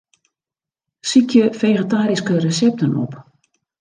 Sykje fegetaryske resepten op.